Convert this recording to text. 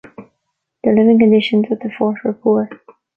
The living conditions at the fort were poor.